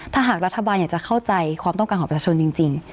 ถ้าหากรัฐบาลอยากจะเข้าใจความต้องการของประชาชนจริง